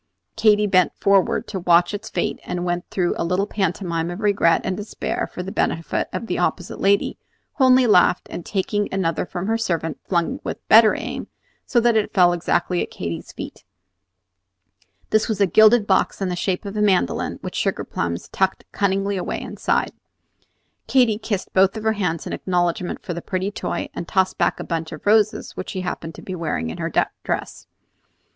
Katy bent forward to watch its fate, and went through a little pantomime of regret and despair for the benefit of the opposite lady, who only laughed, and taking another from her servant flung with better aim, so that it fell exactly at Katy's feet. This was a gilded box in the shape of a mandolin, with sugar plums tucked cunningly away inside. Katy kissed both her hands in acknowledgment for the pretty toy, and tossed back a bunch of roses which she happened to be wearing in her dress.